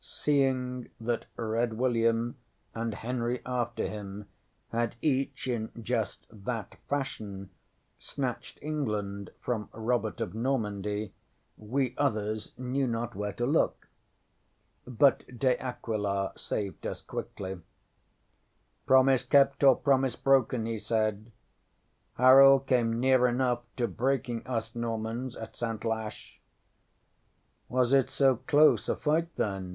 ŌĆØ ŌĆśSeeing that Red William and Henry after him had each in just that fashion snatched England from Robert of Normandy, we others knew not where to look. But De Aquila saved us quickly. ŌĆśŌĆ£Promise kept or promise broken, ŌĆØ he said, ŌĆ£Harold came near enough to breaking us Normans at Santlache.ŌĆØ ŌĆśŌĆ£Was it so close a fight, then?